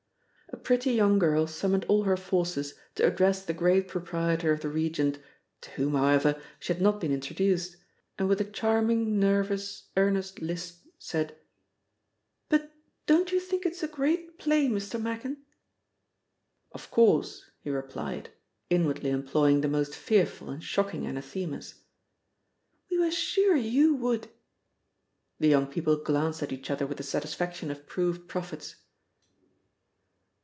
A pretty young girl summoned all her forces to address the great proprietor of the Regent, to whom, however, she had not been introduced, and with a charming nervous earnest lisp said: "But don't you think it's a great play, Mr. Machin?" "Of course!" he replied, inwardly employing the most fearful and shocking anathemas. "We were sure you would!" The young people glanced at each other with the satisfaction of proved prophets.